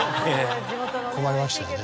困りましたよね。